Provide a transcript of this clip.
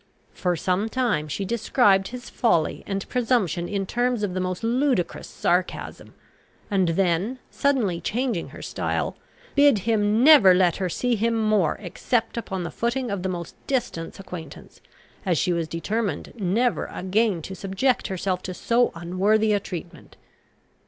For some time she described his folly and presumption in terms of the most ludicrous sarcasm, and then, suddenly changing her style, bid him never let her see him more except upon the footing of the most distant acquaintance, as she was determined never again to subject herself to so unworthy a treatment.